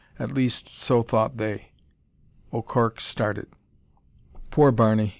At least, so thought they. O'Cork started. Poor Barney!